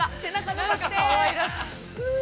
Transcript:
伸ばして。